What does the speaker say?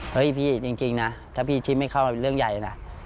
เฮ้ยพี่จริงนะถ้าพี่ชิมไม่เข้าเป็นเรื่องใหญ่นะ